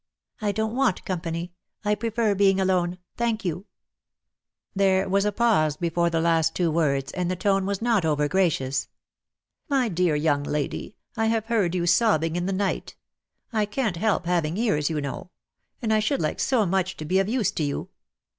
"I don't want company. I prefer being alone — thank you." ....". 1 6 DEAD LOVE HAS CHAINS. There was a pause before the last two words, and the tone was not over gracious. "My dear young lady, I have heard you sob bing in the night. I can't help having ears, you know; and I should like so much to be of use to you.